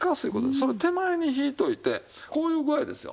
それ手前に引いておいてこういう具合ですよ。